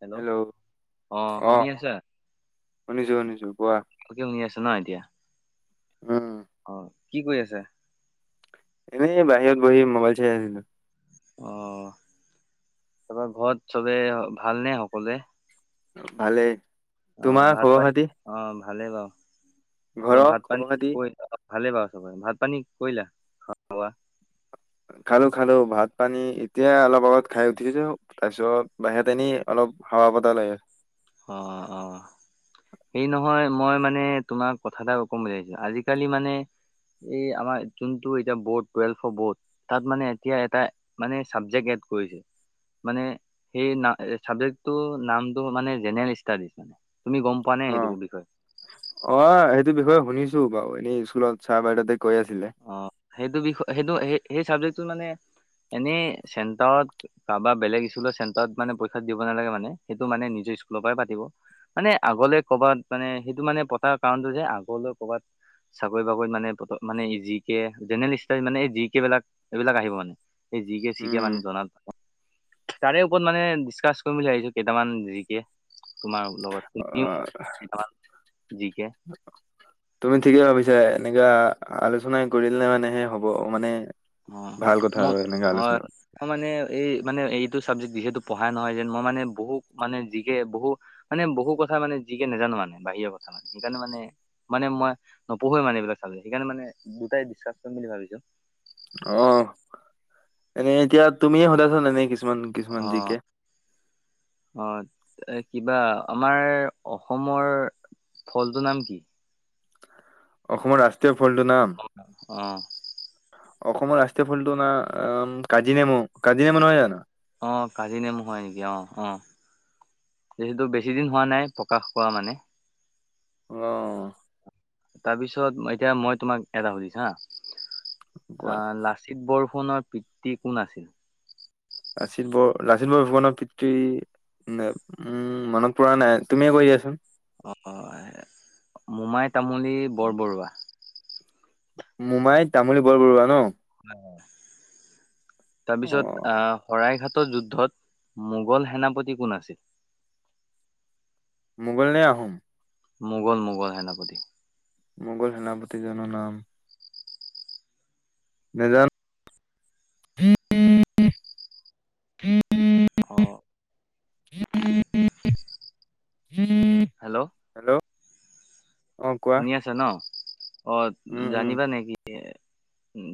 Hello, ' অ শুনি আছাঁ? শুনিছো শুনিছো কোৱা শুনি আছে ন এতিয়া? উম অ কি কৰি আছা? এনেই বাহিৰত বহি মোবাইল চাই আছিলো। অ' তাৰপৰা ঘৰত চবে ভালনে সকলোৱে? ভালে। অ' ভাত পাই অ' ভালেই বাৰ। ত ঘৰৰ ভাত খবৰ পানী খাতি ক ভালেই বাৰু চবৰে ভাত পানী কৰিলা খোৱা। খালোঁ, খালোঁ। ভাত পানী এতিয়া অলপ আগত খাই উঠিছোঁ, তাৰপিছত বাহিৰত এনেই অলপ হাৱা বতাহ লাগে অ', অ', অ'। হেই নহয়, মই মানে তোমাক কথা এটা কম বুলি ভাবিছোঁ। আজিকালি মানে এই আমাৰ কিন্তু এতিয়া বৰ্ড, টুৱেলভৰ বৰ্ড, তাত মানে এতিয়া এটা, মানে চাবজেক্ট এট কৰিছে। মানে সেই না চাবজেক্টটো নামটো মানে জেনেৰেল ষ্টাডিজ মানে, তুমি গম পোৱা নে এইটো বিষয়ে? স বিষয় শুনিছো বাৰ এনেই স্কুলত চাহ বাইদউতে‌ অ' সেইটো বিষয় সেইটো স সেই চাবজেক্টটো মানে এনে চেণ্টাৰত কাৰোবাৰ বেলেগ স্কুলৰ চেণ্টাৰত মানে পইক্ষা দিব নালাগে মানে সেইটো মানে নিজে স্কুলৰ পৰাই পাতিব। মানে আগলে কৰ'ৰবাত মানে সেইটো মানে পতাৰ কাৰণটো যে আগলৈ কৰ'বাত চাকৰি বাকৰিত মানে মানে জি কে জেনেৰেলষ্টড মানে এই জি কে বিলাক এইবিলাক আহিব মানে এই জি কে চি কে উম মানে জনে। তাৰে ওপৰত মানে ডিচকাছ কৰিম বুলি ভাবিছো কেইটামান জিকে তোমাৰ লগত তোমাৰ অ' কেইটামান জি কে তুমি ঠিকেই ভাবিছা। ছে এনেকুৱা আলোচনা কৰিলে মানে হে হ'ব মানে অ' ভাল কথা ম আৰু এনেকে আলোচনা অ' মানে এই মানে এই চাবজে্ যিহু পঢ়া নহয় যেন মইানে বহু মানে জিকে বহু মানে বহু কথা মানে যিকে নাজানো। মানে বাহিৰৰ কথা মানে সেইকাৰণে মানে মানে মই নঢ়ুৱে মানে এইবিলাক চালো সেইকাৰণে মানে দুটাই বিশ্বাস ম বুলি ভাবিছো। অ' এনেই এতিয়া তুমিয়ে সোধাইছ এনে কি কি্মন কিৃষ্মানমানজি অ', কে। অ', এ কিবা আমাৰ অসমৰ ফলটো নাম কি? অসমৰ ৰাষ্ট্ৰীয় ফলটো নাম? অ', অসমৰ ৰাষ্ট্ৰীয় ফলটো না কাজিনেমু কাজিনেমু নহয় জানো? অ' কাজি নেম হয় নেকি অ' অ'। যিহেতু বেছি দিন হোৱা নাই প্ৰকাশ কৰা মানে। আহ। তাৰপিছত এতিয়া মই তোমাক এটা সুধিছ হা অ কোৱা লাচিত বৰফ ফোনৰ পিতৃ কোন আছিল? লাচিত ব লাচন বৰ ফুকানৰ পিতৃ উম মনত পৰা নাই তুমিয়ে কৈ দিয়াচোন। অ' মোমাই তামলী বৰবৰুৱা। মোমাই তামলী বৰবৰুৱা ন? অ তাৰপিছত আহ শৰাই ঘাট যুদ্ধত মোগল সেনাপতি কোন আছিল? মোগল নে আহ আহোম? মোগল মোগল হে নাপতি? মোগল সেনাপতি জন নাম? নজানো। উম। অ'। হেল্ল! হেল্ল! অ কোৱা শুনি আছা ন! অ', উম উম জানিবা নেকি তিয়া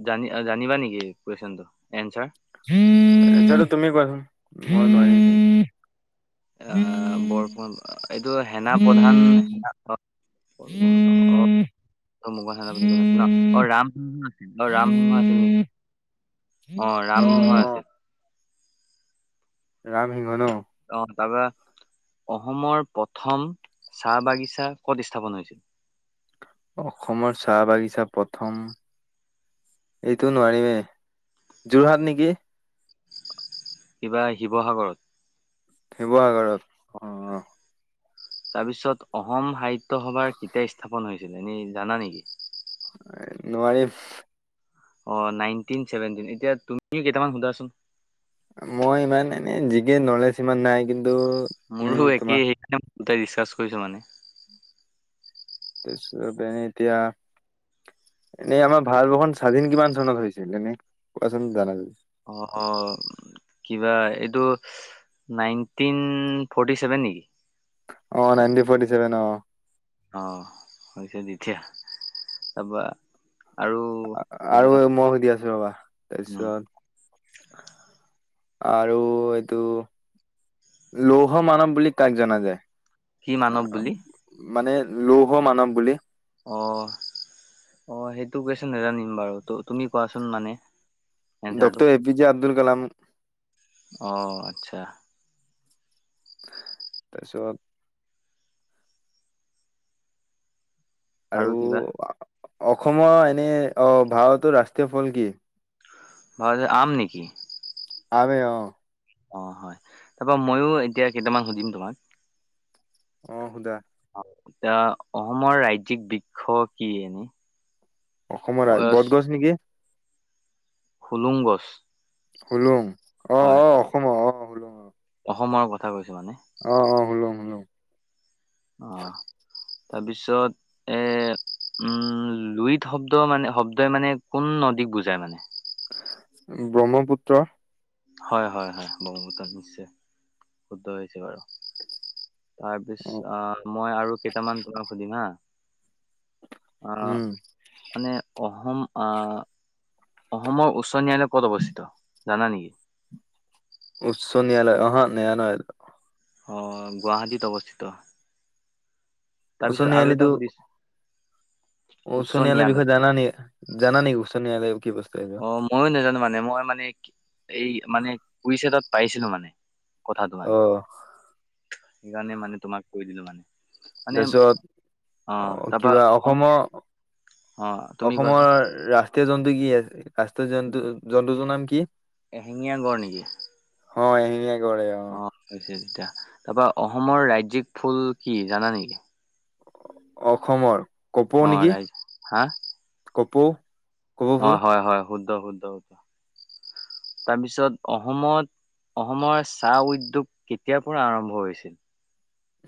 জানি-জানিবা নেকি কুৱেশচনটো, এনচাৰ। জানো, তুমিয়ে কোৱাচোন, মই নোৱাৰিম। অ', বৰফুকন, এইটো সেনাপ্ৰধান কোন, কোন কাম অ', মোগল সেনাপতি কোন আছিল ন! অ', ৰাম িংহ আছিল অ' ৰামসিংহ আছিল নেকি নোৱাৰিম অ ৰামসিংহ অ' আছিল। ৰাম সিংনো? অ তাৰপৰা অসমৰ প্ৰথম চাহ বাগিচা কত স্থাপন হৈছিল? অসমৰ চাহ বাগিছা প্ৰথম এইটো নোৱাৰিমেই যোৰহাট নেকি? কিবা শিৱসাগৰত? শিৱসাগৰত অ'। তাৰপিছত অসম সাহিত্য সভাৰ কেতিয়া স্থাপন হৈছিল এনে জানা নেকি? এ, নোৱাৰিফ। অ', নাইনটিন চেভেনটিন, এতিয়া তুমি কেইটামান সোধাচোন। মই ইমান এনে জিদিয়ে নলেজ সিমান নাই কিন মোৰো একেই একদম, এতিয়া ৰিচাৰ্জ কৰিছো মানে। [unintelligible] এতিয়া। এনেই আমাৰ ভাৰতবৰ্ষ স্বাধীন কিমান চনত হৈছিল এনেই, কোৱাচোন জানা যদি। অ', অ'। কিবা এইটো, নাইনটিন ফৰ্টিচেভেন নেকি? অ', নাইনটি ফৰ্টিচেভেন অ'। অ', হৈছে তেতিয়া, তাৰপা আৰু মই সুধি আছো ৰবা, উম তাইছত আৰু এইটো, লৌহমানৱ বুলি কাক জনা যায়? কি মানৱ বুলি মানে লৌহমানৱ বুলি। অ', অ', সেইটো কোৱেশন নেজানিম বাৰু। ত তুমি কোৱাচোন মানে, এনচাৰটো। Doctor A P J Abdul Kalam অ'। চ্ছা। তাইছত। আৰু অসম, এনে অ', ভাৰতৰ ৰাষ্ট্ৰীয় ফল কি? ভাৱত আম নেকি! আমে অ'। অ', হয়। তাপা ময়ো এতিয়া কেইটামান সুধিম তোমাক। অ' সুদা। এতিয়া অসমৰ ৰাজ্যিক বৃক্ষ কি? অসমৰ ৰা অ, বটগছ নিকি! হুলুং গছ। হুলুং, অ', হয় অ', হয় অসমৰ, অ', অ', হুলুং অ'। অসমৰ কথা কৈছো মানে। অ', অ', হুলুং, হুলু্ং। অ'। তাপিছত এ। উম, লুইত শব্দ মানে শব্দই মানে কোন নদীক বুজায় মানে? ব্ৰহ্মপুত্ৰ। হয়, হয়, হয়, ব্ৰহ্মপুত্ৰ নিশ্চয়। শুদ্ধ হৈছে বাৰু। অ তাৰপিছত, মই আৰু কেইটামান তোমাক সুধিম হাঁ। আ উম মানে অসম আ ক'ত অৱস্থিত, জানা নেকি? উচ্চ ন্যায়ালয়ত [inaudible] অ' গুৱাহাটীত অৱস্থিত। উচ্চ তাৰপিছত আৰু ন্যায়ালয়টো এটা সুধিছ উচ্চ ন্যায়ালয়ৰ বিষয়ে জানা নি? জানা নি উচ্চ ন্যায়ালয় কি [unintelligible] অ' মইয়ো নাজানো মানে মই মানে এই মানে কুইচ এটাত পাইছিলোঁ মানে। কথাটো অ [unintelligible] সেইকাৰণে মানে তোমাক কৈ দিলোঁ মানে। মানে অ [inaudible] তাৰপা কিবা অসম, অসমৰ অ তুমি অসমৰ কোৱাচোন ৰাষ্ট্ৰীয় জন্তু কি? ৰাষ্ট্ৰীয় জন্তু জন্তুটোৰ নাম কি? এশিঙীয়া গড় নিকি? অ', এশিঙীয়া অ', হৈছে তেতিয়া। তাৰপা অসমৰ ৰাজ্যিক ফুল কি জানা নেকি? অসমৰ? কপৌ অ', নেকি ৰাইট। হাঁ? কপৌ। কপৌ ফুল অ', হয়, হয়, শুদ্ধ শুদ্ধ, শুদ্ধ। তাৰপিছত অসমত অসমৰ চাহ উদ্যোগ কেতিয়াৰ পৰা আৰম্ভ হৈছিল?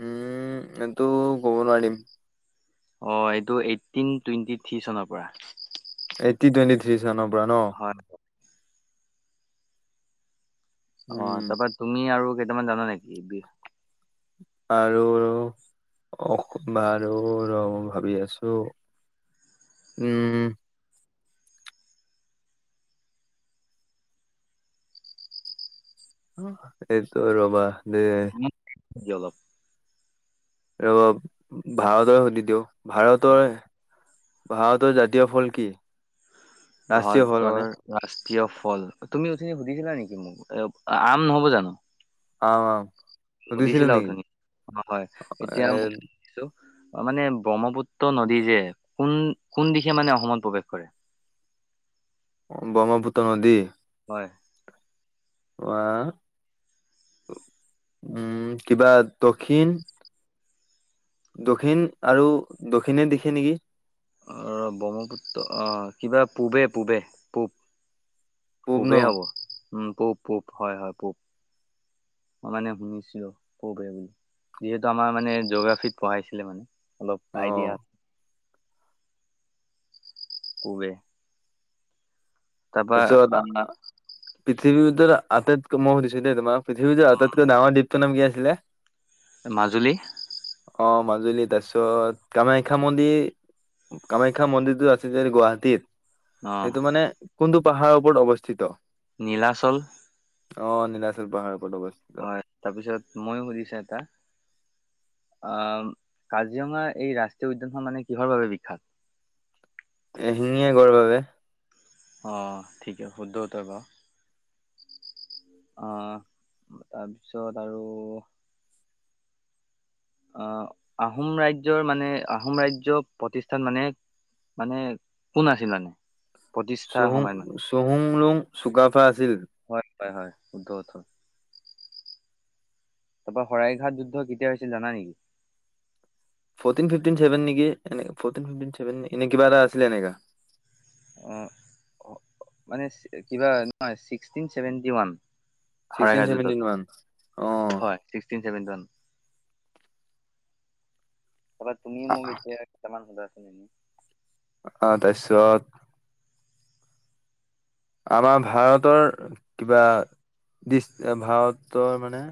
উমম এইটো ক'ব নোৱাৰিম। অ' এইটো এইটটিন টুৱেণ্টি থ্ৰী চনৰ পৰা। এইটটি টুৱেণ্টি থ্ৰী চাননৰ পৰা ন? হয় অ' উম তাৰপা তুমি আৰু কেইটামান জানা নেকি বি আৰু ৰই ভাবি আছো। উম। এইটো ৰ'বা দে জবা ৰব ভাৰতৰে সুধি দিওঁ ভাৰতৰ ভাওতৰ জাতীয় ফল কি? ৰাষ্ট্ৰীয় ফল মানে ভাৰতৰ ৰাষ্ট্ৰীয় ফল তুমি িনি সুধিছিলা নেকি মোক আম নহব জানো? অম সধছিল ধনি অ' হয় এতিয়া এ মইছো মানে ব্ৰহ্মপুত্ৰ নদী যে কোন কোন দিশে মানে অসমত প্ৰৱেশ কৰে? [inaudible] অ' ব্ৰহ্মপুত্ৰ নদী? হয়। আহ? উম কিবা দক্ষিণ দক্ষিণ আৰু দক্ষিণে দিখে নেকি? অ' ব্ৰহ্মপুত্ৰ আহ কিবা পূবে পূবে পূব। পূব ন পূবেই হ'ব উম পূব পূব হয় হয় পব ম মানে শুনিছিলো ক বুলি যিহেতু আমাৰ মানে জঅগ্ৰাফিত পঢ়াইছিলে মানে। অলপ অ আইডিয়াছে পূবে। তাৰপা তত আহ পৃথিৱী আটাইতকৈ ম সু দিছো দেই তোাৰ পৃথিৱীটোৰ আটাইতকৈ ডাঙৰ দীপ্ত নাম কি আছিলে? মাজুলী। অ মাজুলী তাৰ পিছত কামাখ্যা মন্দিৰ কামাখ্যা মন্দিৰো আছে যে গুৱাহাটীত। অ সেইটো মানে কোনটো পাহাৰৰ ওপৰত অৱস্থিত? নীলাচল অ' নীলাচল পাহাৰ। অ' তাৰপিছত মইো সুধিছা এটা। আহ কাজিৰঙা এই ৰাষ্ট্ৰীয় উদ্যানখন মানে কিহৰ বাবে বিখ্যাত? [inaudible] এশিঙীয়া গড়ৰ বাবে। অহ ঠিকে, শুদ্ধ উত্তৰ বাৰু। অহ, তাৰপিছত আৰু অহ আহোম ৰাজ্যৰ মানে, আহোম ৰাজ্য প্ৰতিষ্ঠান মানে মানে, কোন আছিল মানে? প্ৰতিষ্ঠাৰ চহুম সময়ত মানে চহুম লোম চুকাফা আছিল। হয় হয় হয় শুদ্ধ উত। তাৰ পৰাৰা শৰাইঘাট যুদ্ধ কেতিয়া হৈছিল জানা নেকি? ভ নেকি ফভ ননে কিবাটা আছিলে এনেকা। অ' মানে কিবা নহয় ছিক্সটিন চেভেটি ওৱান। হয়, ছিক্সটিন হয়, যুদ্ধত। ছেভেনটিন মান অ হয় ফিভটিন চেভেন্টী ওৱান। কবাত তুমি মোক এতিয়া কেইটামান সোধা। অহ তাৰপিছত। আমাৰ ভাৰতৰ কিবা ডিচ ভাৰতৰ মানে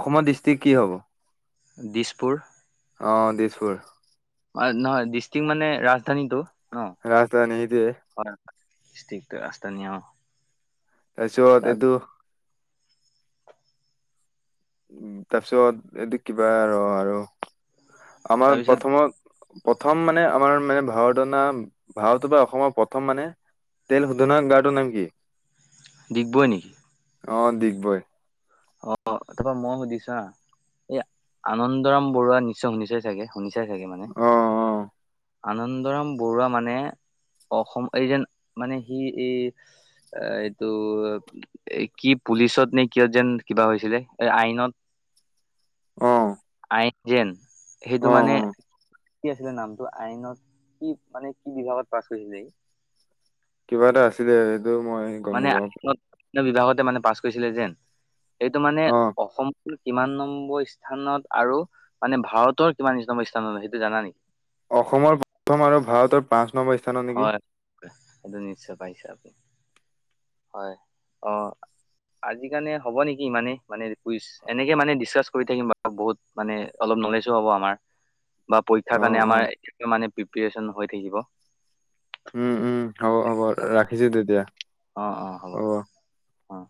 অসমৰ ডিষ্ট্ৰিক কি হ'ব। দিছপুৰ। অহ, দিছপুৰ। নহয়, ডিষ্ট্ৰিক মানে ৰাজধানীটো ন, ৰাজধানী সেইটোৱে হয় হয়। ডিষ্ট্ৰিক ৰাজধানী অহ। তাৰপিছত এইটো উম, তাৰপিছত এইটো কিবা ৰ আৰু। আমাৰ তাৰপিছত প্ৰথমত প্ৰথম মানে আমাৰ মানে ভাৰত অনা, ভাৰতৰ বা অসমৰ প্ৰথম মানে তেল শোধনৰ গাৰটোৰ নাম কি? ডিগবৈ নেকি? অহ, ডিগবৈ। অহ, তাৰপৰা মই সুধিছোঁ বা। এই আনন্দৰাম বৰুৱা নিশ্চয় শুনি চাই চাগে? শুনি চাই চাগে মানে, অ', অ', আনন্দৰাম বৰুৱা মানে অসম এই যেন মানে সি, এই এইটো কি পুলিচত নে কিয় যেন কিবা হৈছিলে, এই আইনত। অহ। আইন যেন, সেইটো মানে কি আছিলে নামটো। আইনত কি মানে কি বিভাগত পাছ কৰিছিলে সি? কিবা এটা আছিলে। এইটো মই গম মানে নাপাওঁ আইনত বিভাগতে মানে পাছ কৰিছিলে যেন, এইটো মানে অ', অসম কিমান নম্বৰ স্থানত আৰু মানে ভাৰতৰ কিমান নম্বৰ স্থানত সেইটো জানা নেকি? অসমৰ প্ৰথম আৰু ভাৰতৰ পাঁচ নম্বৰ স্থানত নেকি। হয় সেইটো নিশ্চয় পাইছে আপুনি, হয় অহ। আজি কাৰণে হ'ব নেকি, ইমানেই মানে কুইচ এনেকে মানে ডিচকাচ কৰি থাকিম বাৰু বহুত মানে অলপ নলেজো হ'ব আমাৰ। বা পৰীক্ষাৰ কাৰণে অ', আমাৰ অ'। মানে এই মানে প্ৰিপেয়েচন হৈ থাকিব। উম', উম' হ'ব হ'ব ৰাখিছোঁ তেতিয়া। অ', অ' হ'ব অ'।